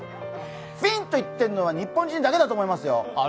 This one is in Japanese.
フィンと言ってるのは日本人だけだと思いますよ。